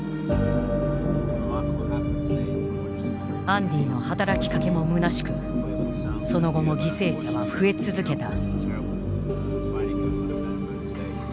アンディの働きかけもむなしくその後も犠牲者は増え続けた。